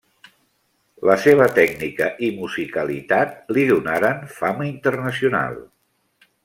La seva tècnica i musicalitat li donaren fama internacional.